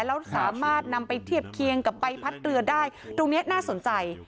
แล้วสามารถนำไปเทียบเคียงกับใบพัดเรือได้ตรงนี้น่าสนใจ